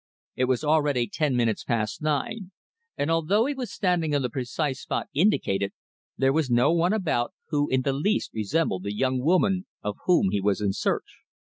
It was already ten minutes past nine, and although he was standing on the precise spot indicated, there was no one about who in the least resembled the young woman of whom he was in search.